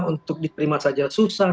untuk diterima saja susah